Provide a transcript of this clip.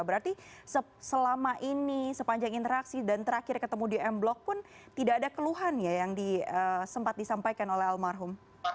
berarti selama ini sepanjang interaksi dan terakhir ketemu di m blok pun tidak ada keluhan ya yang sempat disampaikan oleh almarhum